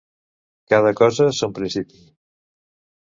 Cada cosa, son principi.